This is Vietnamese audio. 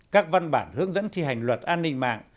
các văn bản hướng dẫn thi hành luật an ninh mạng